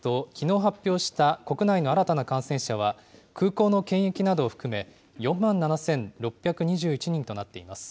厚生労働省によりますと、きのう発表した国内の新たな感染者は、空港の検疫などを含め、４万７６２１人となっています。